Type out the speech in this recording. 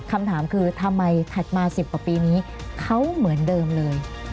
คำถามคือทำไมถัดมา๑๐กว่าปีนี้เขาเหมือนเดิมเลย